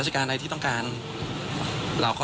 ใช่ครับใช่ครับ